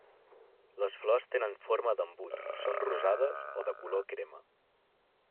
Les flors tenen forma d'embut, són rosades o de color crema.